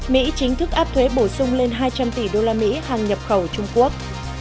mỹ chính thức áp thuế bổ sung lên hai trăm linh tỷ usd hàng nhập khẩu trung quốc